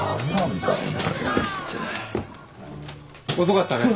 遅かったね。